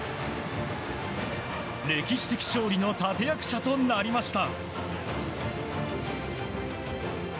歴史的勝利の立役者となりました。